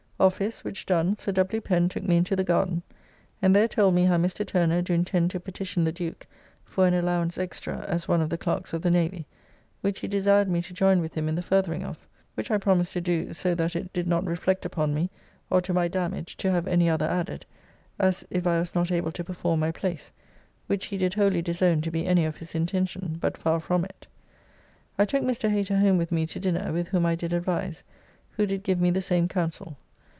Office, which done, Sir W. Pen took me into the garden, and there told me how Mr. Turner do intend to petition the Duke for an allowance extra as one of the Clerks of the Navy, which he desired me to join with him in the furthering of, which I promised to do so that it did not reflect upon me or to my damage to have any other added, as if I was not able to perform my place; which he did wholly disown to be any of his intention, but far from it. I took Mr. Hater home with me to dinner, with whom I did advise, who did give me the same counsel.